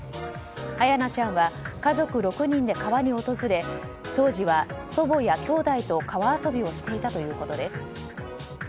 彩陽奈ちゃんは家族６人で川に訪れ当時は祖母や兄弟と川遊びをしていたということです。